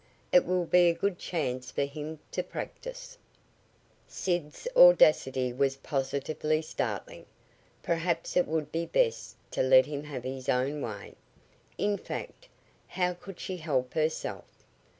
It will be a good chance for him to practice." Sid's audacity was positively startling. Perhaps it would be best to let him have his own way. In fact, how could she help herself?